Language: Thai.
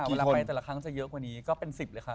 เวลาไปแต่ละครั้งจะเยอะกว่านี้ก็เป็น๑๐เลยค่ะ